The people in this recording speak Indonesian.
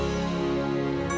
karena sekarang ona rame cahaya